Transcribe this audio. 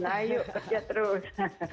nah yuk kerja terus